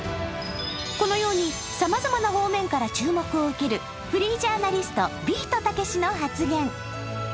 このように、さまざまな方面から注目を受けるフリージャーナリストビートたけしの発言。